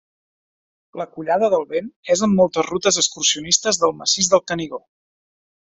La Collada del Vent és en moltes de les rutes excursionistes del Massís del Canigó.